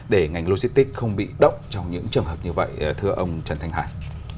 để ngành logistics không bị động trong những trường hợp như vậy thưa ông trần thanh hải